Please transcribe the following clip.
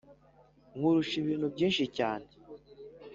Nkurusha ibintu byinshi cyane